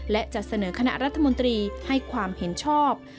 และจะเสนอคณะรัฐมนตรีให้ความเห็นชอบ